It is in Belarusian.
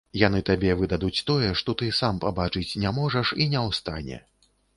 Яны табе выдадуць тое, што ты сам пабачыць не можаш і не ў стане.